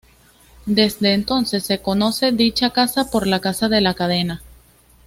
Desde entonces, se conoce dicha casa por la Casa de la Cadena.